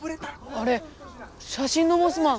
あれ写真のモスマン。